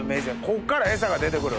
こっから餌が出てくる？